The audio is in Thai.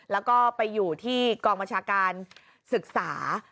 แล้วก็ไปอยู่ที่กองบัญชาการศึกษา